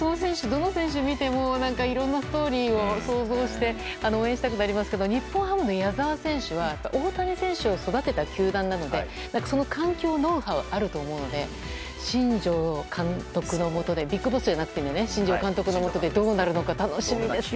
どの選手を見てもいろんなストーリーを想像して応援したくなりますけど日本ハムの矢澤選手は大谷選手を育てた球団なのでその環境ノウハウがあると思うので新庄監督のもとでＢＩＧＢＯＳＳじゃなく今、新庄監督のもとでどうなるのか楽しみです。